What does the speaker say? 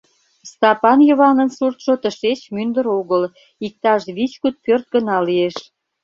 Стапан Йыванын суртшо тышеч мӱндыр огыл, иктаж вич-куд пӧрт гына лиеш.